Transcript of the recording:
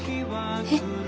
えっ？